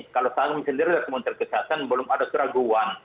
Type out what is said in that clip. kalau kami sendiri dari kepala nis kesehatan belum ada keraguan